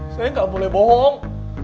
saya gak boleh bohong